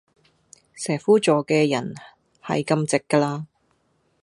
蛇夫座既人係咁直㗎啦